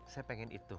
saya pengen itu